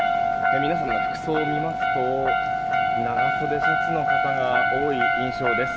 皆さんの服装を見ますと長袖シャツの方が多い印象です。